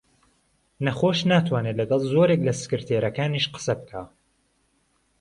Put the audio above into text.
نەخۆش ناتوانێ لەگەڵ زۆرێک لە سکرتێرەکانیش قسە بکا